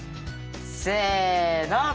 せの！